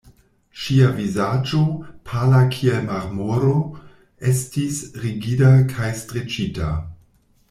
Ŝia vizaĝo, pala kiel marmoro, estis rigida kaj streĉita.